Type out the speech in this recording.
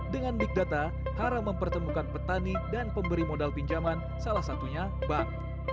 dengan big data haram mempertemukan petani dan pemberi modal pinjaman salah satunya bank